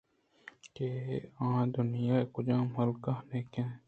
کہ آ دنیا ءِ کُجام ہلک ءُ ہنکین ءِ نندوکے